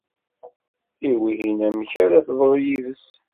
I wihin, amek ara teḍru yid-s?